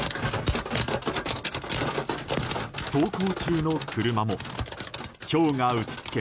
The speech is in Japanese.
走行中の車もひょうが打ちつけ